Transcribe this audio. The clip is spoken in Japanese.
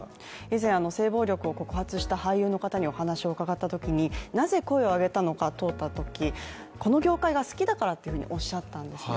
以前、性暴力を告発した俳優の方にお話を伺ったときになぜ声を上げたのか問うたときこの業界が好きだからとおっしゃったんですね